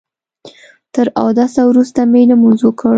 تر اوداسه وروسته مې لمونځ وکړ.